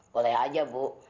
boleh aja bu